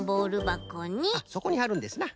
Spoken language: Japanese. あっそこにはるんですな。